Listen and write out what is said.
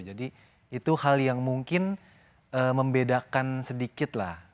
jadi itu hal yang mungkin membedakan sedikit lah